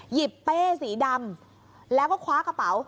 เป้สีดำแล้วก็คว้ากระเป๋า